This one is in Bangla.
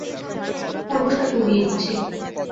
খরগোশটাকে উড়িয়ে দিচ্ছি।